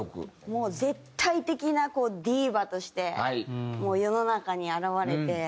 もう絶対的なディーバとしてもう世の中に現れて。